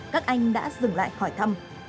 các anh đã dừng lại hỏi thăm